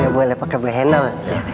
gak boleh pake bahenol